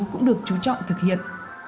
cũng được chú trọng thực hiện